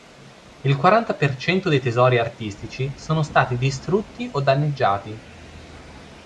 Il quaranta per cento dei tesori artistici sono stati distrutti o danneggiati.